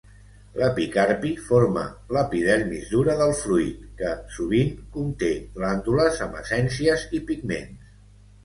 L'epicarpi forma l'epidermis dura del fruit que, sovint, conté glàndules amb essències i pigments.